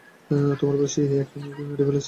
তোমার বয়সী একটা মেয়েকে মেরে ফেলেছে।